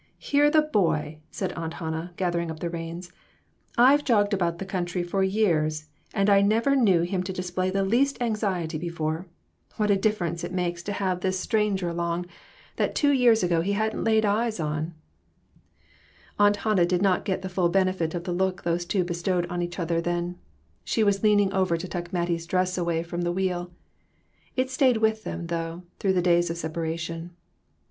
"Hear the boy!" said Aunt Hannah, gathering up the reins ; "I've jogged about the country for years, and I never knew him to display the least anxiety before. What a difference it makes to 126 RECONCILIATIONS. have this stranger along, that two years ago he hadn't laid eyes on." Aunt Hannah did not get the full benefit of the look those two bestowed on each other then. She was leaning over to tuck Mattie's dress away from the wheel. It stayed with them, though, through the days of separation.